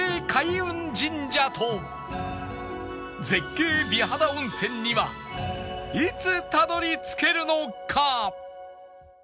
神社と絶景美肌温泉にはいつたどり着けるのか？